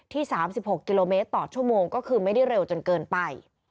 ๓๖กิโลเมตรต่อชั่วโมงก็คือไม่ได้เร็วจนเกินไป